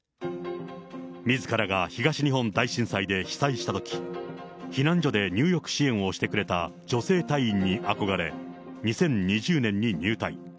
みずからが東日本大震災で被災したとき、避難所で入浴支援をしてくれた女性隊員に憧れ、２０２０年に入隊。